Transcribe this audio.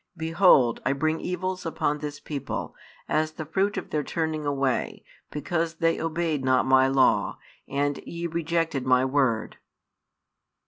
Behold, I bring evils upon this people, as the fruit of their turning away, because they obeyed not My Law, and ye rejected My word.